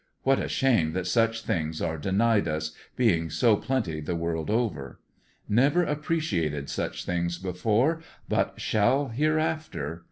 What a shame that such things are denied us, being so plenty the world over. Never appreciated such things before but shall here after.